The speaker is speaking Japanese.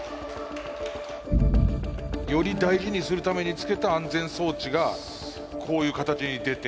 より大事にするためにつけた安全装置がこういう形に出て。